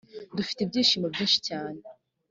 dufite ibyishimo byinshi cyane